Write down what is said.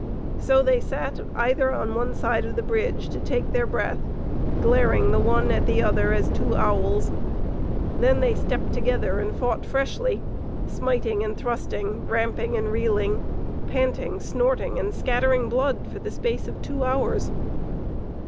So they sat either on one side of the bridge, to take their breath, glaring the one at the other as two owls. Then they stepped together and fought freshly, smiting and thrusting, ramping and reeling, panting, snorting, and scattering blood, for the space of two hours.